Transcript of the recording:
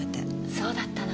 そうだったの。